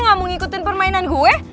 gak mau ngikutin permainan gue